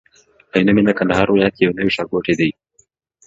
عينو مينه کندهار ولايت کي يو نوي ښارګوټي دي